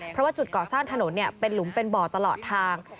เพราะว่าจุดก่อสร้างถนนเป็นหลุมเป็นบ่อตลอดทาง